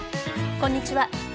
こんにちは。